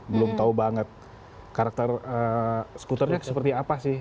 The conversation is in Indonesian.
belum tahu banget karakter skuternya seperti apa sih